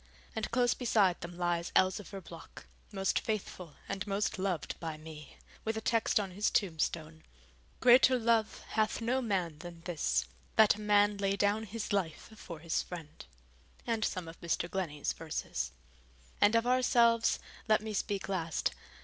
And close beside them lies Elzevir Block, most faithful and most loved by me, with a text on his tombstone: 'Greater love hath no man than this, that a man lay down his life for his friend,' and some of Mr. Glennie's verses. And of ourselves let me speak last.